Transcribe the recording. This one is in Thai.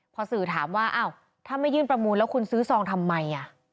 พอสื่อถามว่าอ้าวถ้าไม่ยื่นประมูลแล้วคุณซื้อซองทำไม